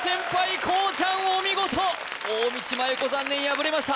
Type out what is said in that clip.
こうちゃんお見事大道麻優子残念敗れました